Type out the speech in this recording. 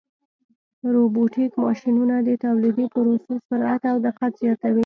روبوټیک ماشینونه د تولیدي پروسو سرعت او دقت زیاتوي.